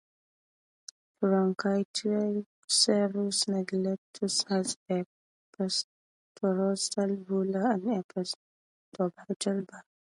"Pronycticebus neglectus" has a petrosal bulla and a postorbital bar.